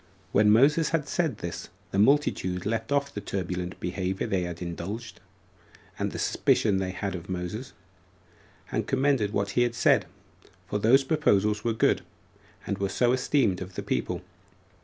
1. When Moses had said this, the multitude left off the turbulent behavior they had indulged, and the suspicion they had of Moses, and commended what he had said; for those proposals were good, and were so esteemed of the people.